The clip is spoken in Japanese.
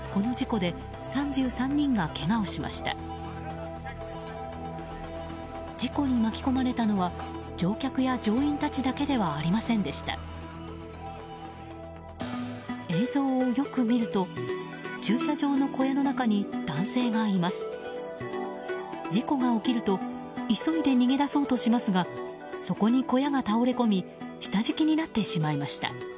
事故が起きると急いで逃げ出そうとしますがそこに小屋が倒れこみ下敷きになってしまいました。